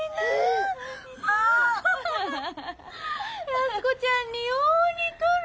安子ちゃんによう似とる。